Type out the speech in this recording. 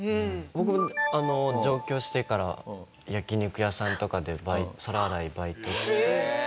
僕あの上京してから焼き肉屋さんとかで皿洗いバイトして。